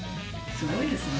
すごいですね。